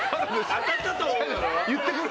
当たったと思うだろ！